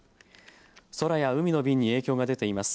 空や海の便に影響が出ています。